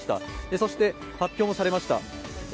そして発表もされました。